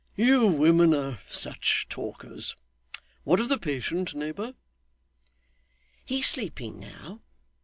'You women are such talkers. What of the patient, neighbour?' 'He is sleeping now.